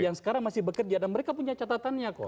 yang sekarang masih bekerja dan mereka punya catatannya kok